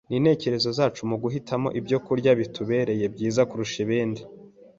n’intekerezo zacu mu guhitamo ibyokurya bitubereye byiza kurusha ibindi.